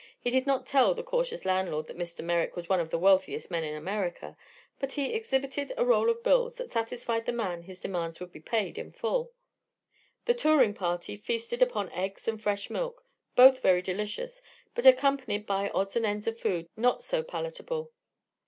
He did not tell the cautious landlord that Mr. Merrick was one of the wealthiest men in America, but he exhibited a roll of bills that satisfied the man his demands would be paid in full. The touring; party feasted upon eggs and fresh milk, both very delicious but accompanied by odds and ends of food not so palatable.